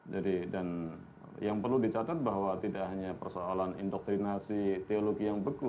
jadi dan yang perlu dicatat bahwa tidak hanya persoalan indoktrinasi teologi yang beku